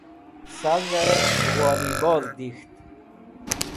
Savey Woli Bol Dik̃ht